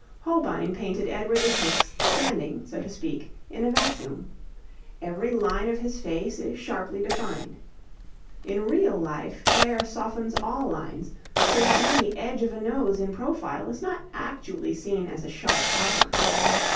Holbein painted Edward VI. standing, so to speak, in a vacuum. Every line of his face is sharply defined. In real life air softens all lines, so that even the edge of a nose in profile is not actually seen as a sharp outline.